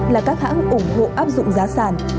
là các hãng ủng hộ áp dụng giá sàn